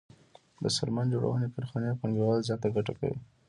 د څرمن جوړونې کارخانې پانګوال زیاته ګټه کوي